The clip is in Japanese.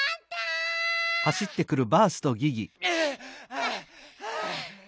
はあはあ。